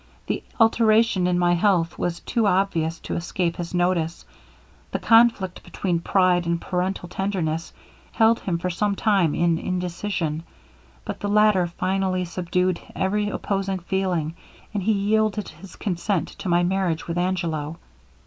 The alteration in my health was too obvious to escape his notice; the conflict between pride and parental tenderness, held him for some time in indecision, but the latter finally subdued every opposing feeling, and he yielded his consent to my marriage with Angelo.